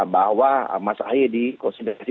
bahwa mas ahy dikonsiderasi